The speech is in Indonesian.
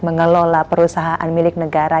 mengelola perusahaan milik negara